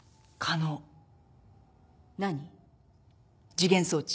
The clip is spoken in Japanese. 時限装置。